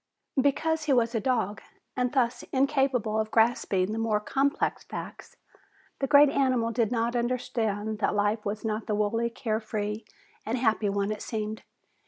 Because he was a dog, and thus incapable of grasping the more complex facts, the great animal did not understand that life was not the wholly carefree and happy one it seemed.